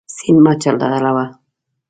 سیند مه چټلوه.